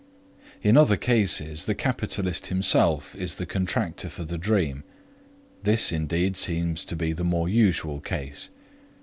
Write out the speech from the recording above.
In other cases the capitalist himself is the contractor for the dream; this, indeed, seems to be the more usual case.